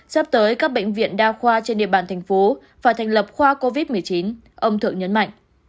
sắp tới các bệnh viện đa khoa trên địa bàn thành phố phải thành lập khoa covid một mươi chín ông thượng nhấn mạnh